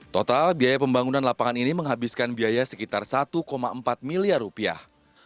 total biaya pembangunan lapangan ini menghabiskan biaya sekitar satu empat miliar rupiah